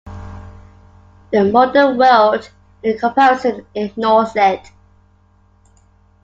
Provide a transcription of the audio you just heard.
The modern world, in comparison, ignores it.